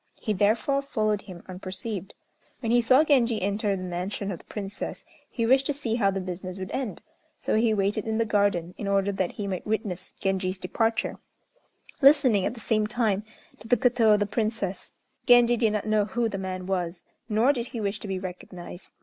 He therefore followed him unperceived. When he saw Genji enter the mansion of the Princess, he wished to see how the business would end; so he waited in the garden, in order that he might witness Genji's departure, listening, at the same time, to the koto of the Princess. Genji did not know who the man was, nor did he wish to be recognized.